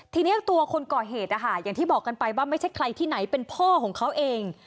ทีนี้ตัวคนก่อเหตุนะคะอย่างที่บอกกันไปว่าไม่ใช่ใครที่ไหนเป็นพ่อของเขาเอง